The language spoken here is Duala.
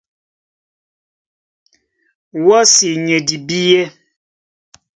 Wɔ́si ni e dibíɛ́.